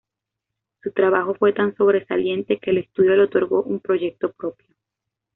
Su trabajo fue tan sobresaliente que el estudio le otorgó un proyecto propio.